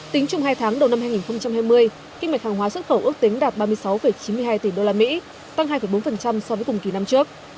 tính chung hai tháng đầu năm hai nghìn hai mươi kinh mệch hàng hóa xuất khẩu ước tính đạt ba mươi sáu chín mươi hai tỷ usd tăng hai bốn so với cùng kỳ năm trước